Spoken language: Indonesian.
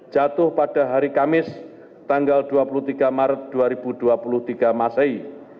jatuh pada hari kamis tanggal dua puluh tiga maret dua ribu dua puluh tiga masei